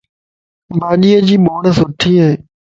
ڀاڄيءَ جي ٻورسٺي ائي